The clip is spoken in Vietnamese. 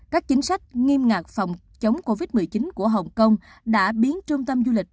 các chính sách nghiêm ngặt phòng chống covid một mươi chín của hồng kông đã biến trung tâm du lịch